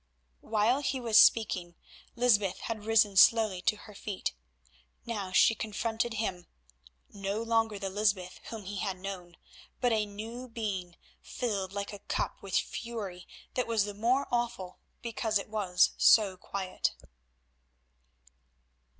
While he was speaking Lysbeth had risen slowly to her feet. Now she confronted him, no longer the Lysbeth whom he had known, but a new being filled like a cup with fury that was the more awful because it was so quiet.